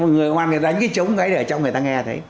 người hoan đánh cái trống ấy để cho người ta nghe